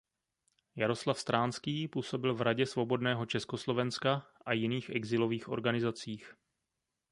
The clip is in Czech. Jaroslav Stránský působil v Radě svobodného Československa a jiných exilových organizacích.